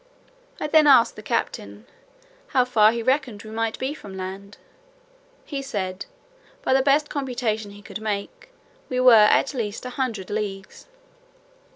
I then asked the captain, "how far he reckoned we might be from land?" He said, "by the best computation he could make, we were at least a hundred leagues."